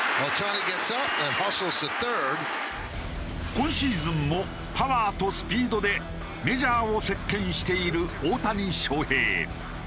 今シーズンもパワーとスピードでメジャーを席巻している大谷翔平。